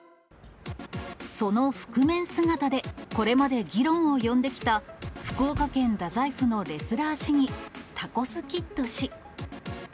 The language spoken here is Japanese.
その覆面姿で、これまで議論を呼んできた、福岡県太宰府のレスラー市議、タコスキッド氏。